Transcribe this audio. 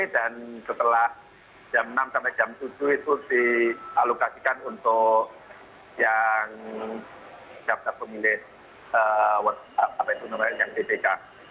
dan setelah jam enam sampai jam tujuh itu dialokasikan untuk yang siapkan pemilih yang di tps